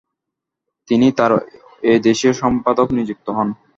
তিনি তার এদেশীয় সম্পাদক নিযুক্ত হন।